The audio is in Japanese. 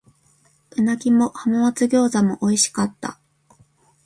鰻も浜松餃子も美味しかった。